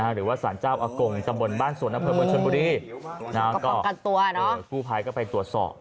หรือว่าศาลเจ้าอักกงจับบนบ้านสวนภัยบนชนบุรีก็ไปตรวจสอบ